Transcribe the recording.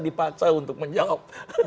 dipaksa untuk menjawab